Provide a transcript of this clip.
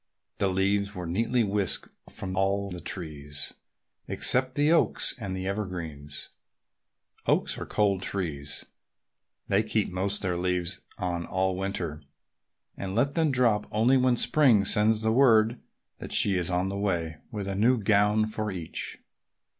The leaves were neatly whisked from all the trees except the oaks and the evergreens. Oaks are cold trees. They keep most of their leaves on all winter and let them drop only when Spring sends word that she is on the way with a new gown for each.